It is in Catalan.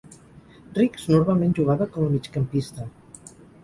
Rix normalment jugava com a migcampista.